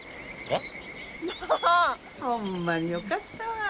ホンマによかったわ。